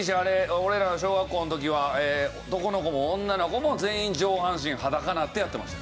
俺らが小学校の時は男の子も女の子も全員上半身裸になってやってました。